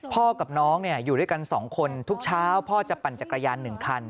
กับน้องอยู่ด้วยกัน๒คนทุกเช้าพ่อจะปั่นจักรยาน๑คัน